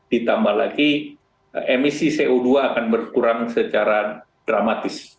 ditambah lagi emisi co dua akan berkurang secara dramatis